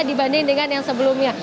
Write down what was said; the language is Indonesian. dibanding dengan yang sebelumnya